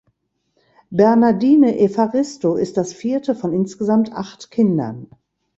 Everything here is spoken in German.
Bernardine Evaristo ist das vierte von insgesamt acht Kindern.